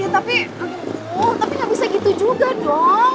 tapi gak bisa gitu juga dong